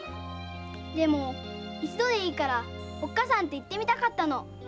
でも一度でいいから“おっかさん”って言ってみたかったの。